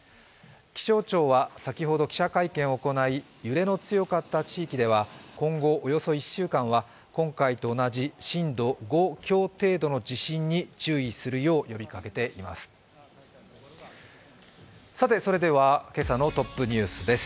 気象庁は、先ほど記者会見を行い揺れの強かった地域では、今後およそ１週間は今回と同じ震度５強程度の地震に注意するよう呼びかけています。